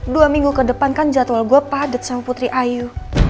dua minggu ke depan kan jadwal gue padat sama putri ayu